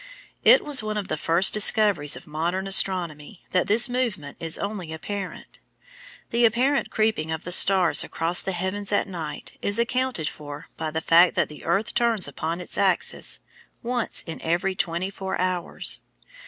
It was one of the first discoveries of modern astronomy that this movement is only apparent. The apparent creeping of the stars across the heavens at night is accounted for by the fact that the earth turns upon its axis once in every twenty four hours.